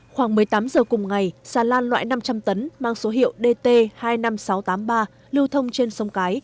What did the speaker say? khoảng một mươi tám giờ cùng ngày xà lan loại năm trăm linh tấn mang số hiệu dt hai mươi năm nghìn sáu trăm tám mươi ba lưu thông trên sông cái